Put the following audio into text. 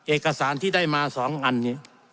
เอกสารที่ได้มา๒อันนี้